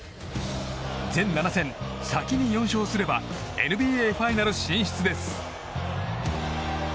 全７戦、先に４勝すればＮＢＡファイナル進出です。